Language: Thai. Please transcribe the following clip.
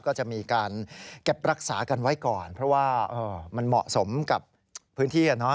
ก็จะมีการเก็บรักษากันไว้ก่อนเพราะว่ามันเหมาะสมกับพื้นที่